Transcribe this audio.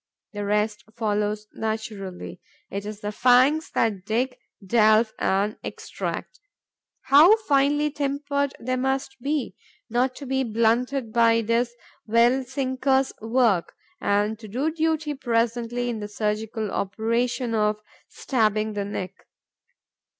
The rest follows naturally; it is the fangs that dig, delve and extract. How finely tempered they must be, not to be blunted by this well sinker's work and to do duty presently in the surgical operation of stabbing the neck!